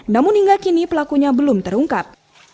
namun hingga kini pelakunya belum terungkap